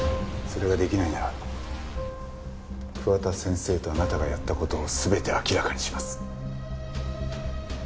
それができないなら桑田先生とあなたがやった事を全て明らかにします。